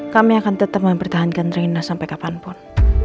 kami akan tetap mempertahankan rina sampai kapanpun